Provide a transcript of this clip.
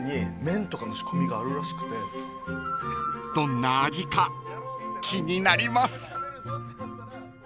［どんな味か気になります］